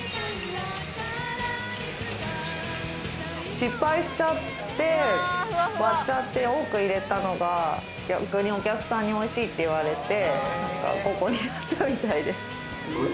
失敗しちゃって、割っちゃって多く入れたのが逆にお客さんに、おいしいって言われて、５個になったみたいです。